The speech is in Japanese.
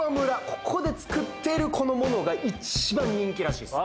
ここで作ってるこの物が一番人気らしいです